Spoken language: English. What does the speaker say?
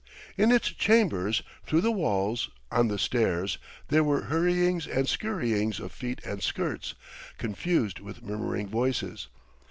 In its chambers, through the halls, on the stairs, there were hurryings and scurryings of feet and skirts, confused with murmuring voices.